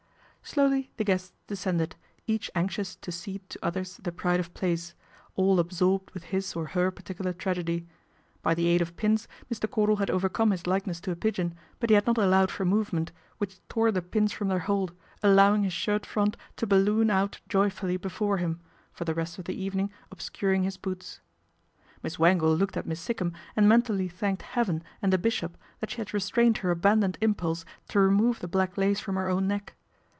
Slowly the guests descended, each anxious to ede to others the pride of place, all absorbed with us or her particular tragedy. By the aid of pins Jr. Cordal had overcome his likeness to a pigeon, >ut he had not allowed for movement, which tore he pins from their hold, allowing his shirt front o balloon out joyfully before him, for the rest f the evening obscuring his boots. Miss Wangle looked at Miss Sikkum and entally thanked Heaven and the bishop that she ad restrained her abandoned impulse to remove iie black lace from her own neck.